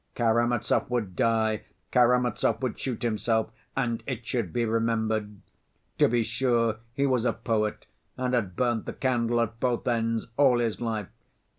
Karamazov would die, Karamazov would shoot himself and it should be remembered! To be sure, he was a poet and had burnt the candle at both ends all his life.